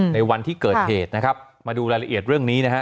ในวันที่เกิดเหตุนะครับมาดูรายละเอียดเรื่องนี้นะฮะ